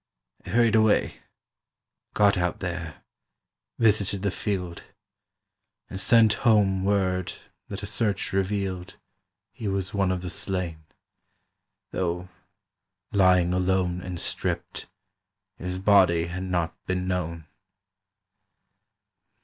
I hurried away, Got out there, visited the field, And sent home word that a search revealed He was one of the slain; though, lying alone And stript, his body had not been known.